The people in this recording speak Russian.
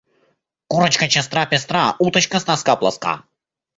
Курочка честра-пестра, уточка с носка плоска.